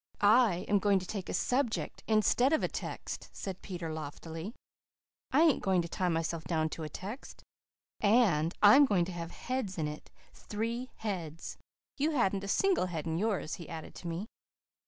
"I am going to take a SUBJECT instead of a text," said Peter loftily. "I ain't going to tie myself down to a text. And I'm going to have heads in it three heads. You hadn't a single head in yours," he added to me.